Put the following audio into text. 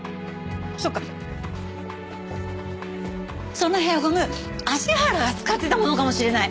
そのヘアゴム芦原が使っていたものかもしれない。